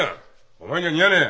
お前には似合わねえ。